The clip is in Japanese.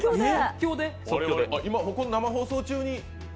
今、この生放送中に？